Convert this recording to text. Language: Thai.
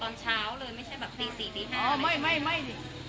ตอนเช้าเลยไม่ใช่แบบตีสี่ตีห้าอ๋อไม่ไม่ไม่ดิ